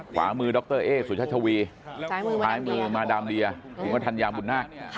ขวามือดรเอ๊ะสุชชาชวีขวามือมดามเดียคุณมธรรยาบุญนัก